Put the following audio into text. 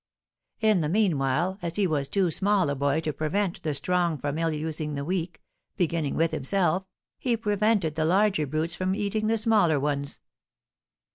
In the meanwhile, as he was too small a boy to prevent the strong from ill using the weak, beginning with himself, he prevented the larger brutes from eating the smaller ones."